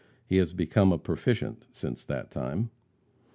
He has become a proficient since that time.